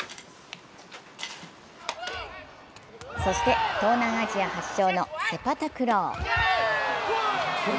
そして東南アジア発祥のセパタクロー。